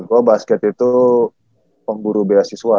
bahwa basket itu pemburu beasiswa